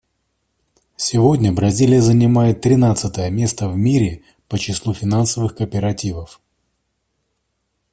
Сегодня Бразилия занимает тринадцатое место в мире по числу финансовых кооперативов.